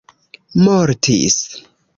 mortis